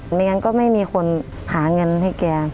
ไม่งั้นก็ไม่มีคนหาเงินให้แก